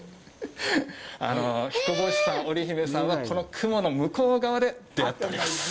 彦星さん、織姫さんはこの雲の向こう側で出会っております。